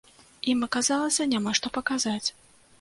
Ім аказалася няма што паказаць.